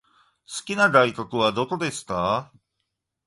好きな外国はどこですか？